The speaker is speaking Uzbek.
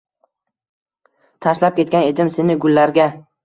Tashlab ketgan edim seni gullarga.